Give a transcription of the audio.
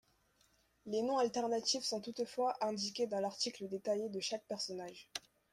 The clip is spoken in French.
Les noms alternatifs sont toutefois indiqués dans l’article détaillé de chaque personnage.